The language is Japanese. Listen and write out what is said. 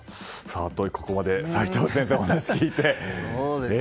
ここまで齋藤先生、お話聞いて。